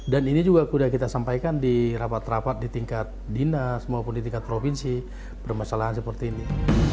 dan ini juga sudah kita sampaikan di rapat rapat di tingkat dinas maupun di tingkat provinsi bermasalah seperti ini